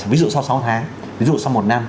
ví dụ sau sáu tháng ví dụ sau một năm